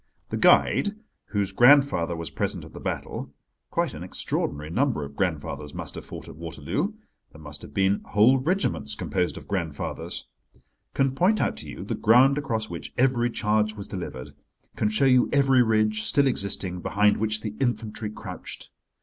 The guide, whose grandfather was present at the battle—quite an extraordinary number of grandfathers must have fought at Waterloo: there must have been whole regiments composed of grandfathers—can point out to you the ground across which every charge was delivered, can show you every ridge, still existing, behind which the infantry crouched.